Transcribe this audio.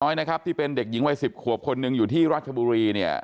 น้อยนะครับที่เป็นเด็กหญิงวัยสิบขวบคนหนึ่งอยู่ที่ราชบุรีเนี่ย